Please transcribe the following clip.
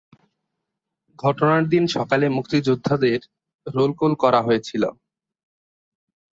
ঘটনার দিন সকালে মুক্তিযোদ্ধাদের রোল কল করা হয়েছিল।